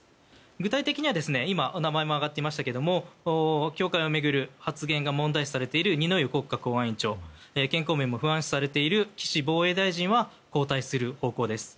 具体的には今お名前も挙がっていましたが教会を巡る発言が問題視されている二之湯国家公安委員長健康面も不安視されている岸防衛大臣は交代する方向です。